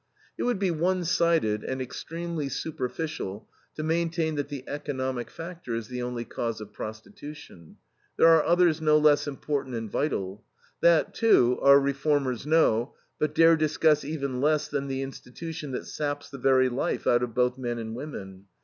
It would be one sided and extremely superficial to maintain that the economic factor is the only cause of prostitution. There are others no less important and vital. That, too, our reformers know, but dare discuss even less than the institution that saps the very life out of both men and women.